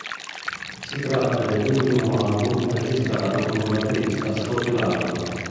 Si tratta dell'ultimo album registrato con il batterista Scott Raynor.